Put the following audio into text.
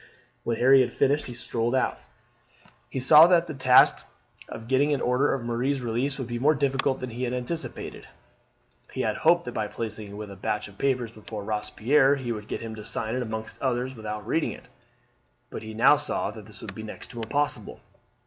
When Harry had finished he strolled out. He saw that the task of getting an order for Marie's release would be more difficult than he had anticipated. He had hoped that by placing it with a batch of papers before Robespierre he would get him to sign it among others without reading it, but he now saw that this would be next to impossible.